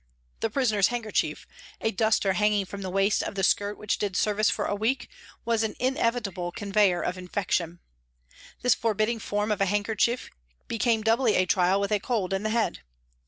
The prisoner's handkerchief, a duster hanging from the waist of the skirt which did service for a week, was an inevitable conveyer of infection. This forbidding form of handkerchief became doubly a trial with a cold in the head.